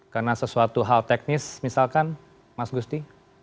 karena sesuatu hal teknis misalkan mas gusti